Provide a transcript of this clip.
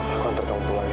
aku hantar kamu pulang ya